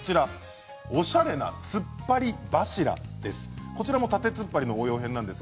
おしゃれなつっぱり柱です。